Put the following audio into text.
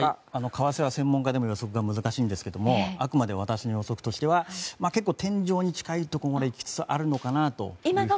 為替は専門家でも予測が難しいんですけどもあくまで私の予測としては結構天井に近いところまでいきつつあるのかなと。